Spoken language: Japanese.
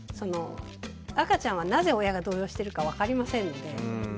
赤ちゃんはなぜ親が動揺してるか分かりませんので。